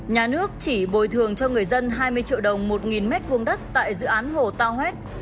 nhà nước chỉ bồi thường cho người dân hai mươi triệu đồng một m hai đất tại dự án hồ tat